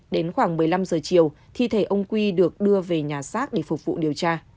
đến khoảng một mươi năm giờ chiều thi thể ông quy được đưa về nhà xác để phục vụ điều tra